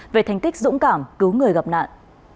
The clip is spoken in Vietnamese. về thành tích dũng cảm cứu người gặp nạn